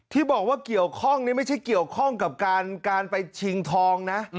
ที่บอกว่าเกี่ยวข้องนี่ไม่ใช่เกี่ยวข้องกับการไปชิงทองนะ